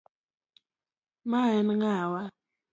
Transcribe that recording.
Mae en ng'awa .